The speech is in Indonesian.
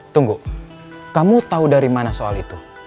tunggu kamu tahu dari mana soal itu